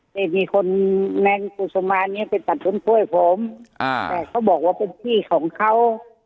จะมีคนแม่งกุศมานเนี่ยไปตัดส่วนช่วยผมแต่เขาบอกว่าเป็นพี่ของเขา